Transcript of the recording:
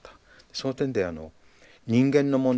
その点であの人間の問題